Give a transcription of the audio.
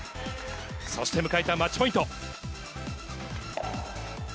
そして迎えたマッチポイント。